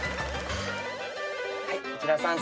はい内田さん